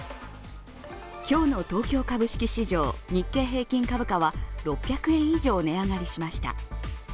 今日の東京株式市場日経平均株価は６００円以上値上がりしました。